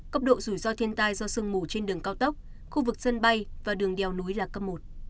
cấp độ rủi ro thiên tai do sương mù trên đường cao tốc khu vực sân bay và đường đèo núi là cấp một